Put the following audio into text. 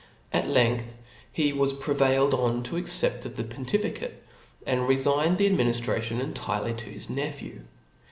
Ac length he was prevailed on to accept of the ponti ficate; and refigned the adminiftration entirely to his nephew.